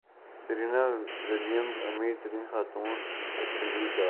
Serena Williams امیر ترین خاتون ایتھلیٹ قرار